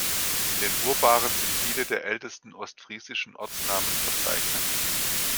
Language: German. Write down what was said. In den Urbaren sind viele der ältesten ostfriesischen Ortsnamen verzeichnet.